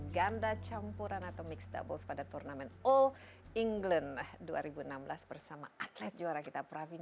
ganda campuran atau mixed doubles pada turnamen all england dua ribu enam belas bersama atlet juara kita pravin